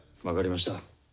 分かりました。